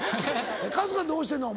春日どうしてんの？